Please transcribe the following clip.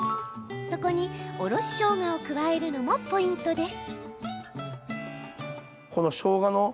そこに、おろししょうがを加えるのもポイントです。